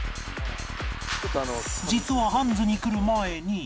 実はハンズに来る前に